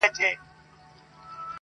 قاسم یار جوړ له دې څلور ټکو جمله یمه زه,